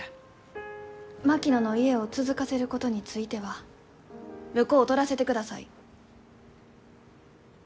槙野の家を続かせることについては婿を取らせてください。